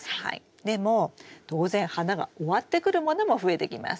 でも当然花が終わってくるものも増えてきます。